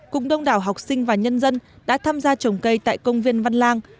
cùng đông đảo học sinh và nhân dân đã tham gia trồng cây tại công viên văn lang